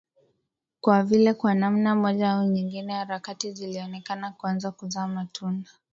Kwa vile kwa namna moja au nyingine harakati zilionekana kuanza kuzaa matunda